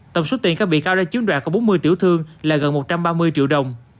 tổng số tiền các bị cao ra chiếm đoạt có bốn mươi tiểu thương là gần một trăm ba mươi triệu đồng